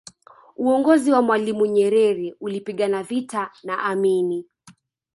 uongozi wa mwalimu nyerere ulipigana vita na amini